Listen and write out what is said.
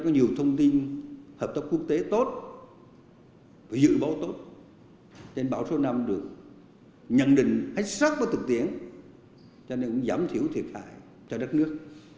nhiều thông tin hợp tác quốc tế tốt dự báo tốt trên bảo số năm được nhận định hãy sát vào thực tiễn cho nên giảm thiểu thiệt hại cho đất nước